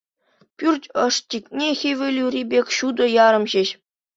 Пӳрт ӑшчикне хӗвел ури пек ҫутӑ ярӑм ҫеҫ.